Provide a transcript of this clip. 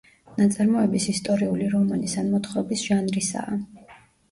ნაწარმოების ისტორიული რომანის ან მოთხრობის ჟანრისაა.